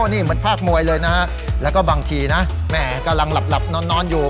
นี่เหมือนภาคมวยเลยนะฮะแล้วก็บางทีนะแม่กำลังหลับนอนอยู่